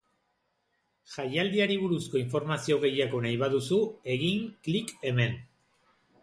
Jaialdiari buruzko informazio gehiago nahi baduzu, egin klik hemen.